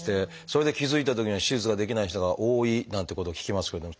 それで気付いたときには手術ができない人が多いなんてことを聞きますけど。